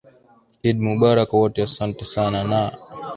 idd mubarak wote asante sana na